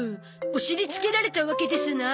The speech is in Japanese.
お尻つけられたわけですな。